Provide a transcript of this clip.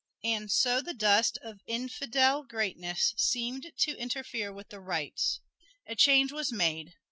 And so the dust of infidel greatness seemed to interfere with the rites. A change was made.